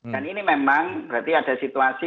dan ini memang berarti ada situasi